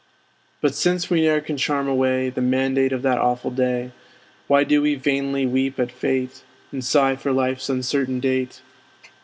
But since we ne'er can charm away The mandate of that awful day, Why do we vainly weep at fate, And sigh for life's uncertain date?